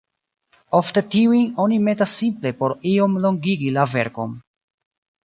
Ofte tiujn oni metas simple por iom longigi la verkon.